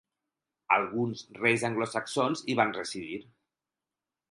Alguns reis anglosaxons hi van residir.